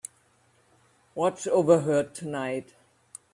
Watch over her tonight.